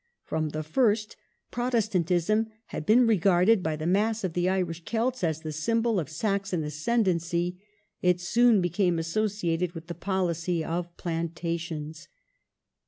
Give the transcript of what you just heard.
From the first, Protestantism had been regarded by the mass of the Irish Celts as the symbol of Saxon ascendancy ; it soon became associated with the policy of "plantations''.